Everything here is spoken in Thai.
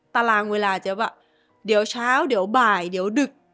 ตารางเวลาจะว่าเดี๋ยวเช้าเดี๋ยวบ่ายเดี๋ยวดึก